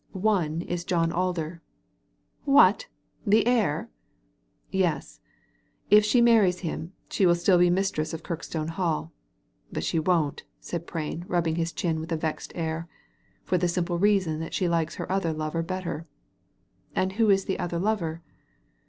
" One is John Alder. « What! the heir?*' Yes I If she marries him she will still be mistress of Kirkstone HalL But she won't/' said Prain, rubbing his chin with a vexed air, for the simple reason that she likes her other lover better." "Who is the other lover